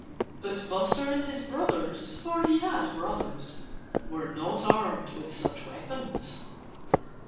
But Buster and his brothers (for he had brothers) were not armed with such weapons.